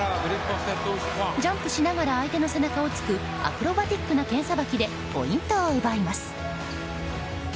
ジャンプしながら相手の背中を突くアクロバティックな剣さばきでポイントを奪います。